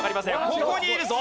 ここにいるぞ。